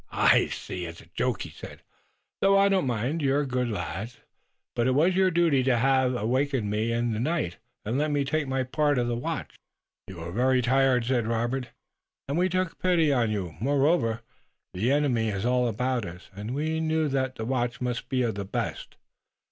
"I see, it's a joke," he said, "though I don't mind. You're good lads, but it was your duty to have awakened me in the night and let me take my part in the watch." "You were very tired," said Robert, "and we took pity on you. Moreover, the enemy is all about us, and we knew that the watch must be of the best.